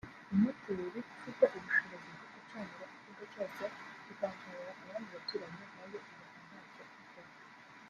imoteri ufite ubushobozi bwo gucanira ikigo cyose ikanacanira abandi baturanyi nayo ibaho ntacyo ikora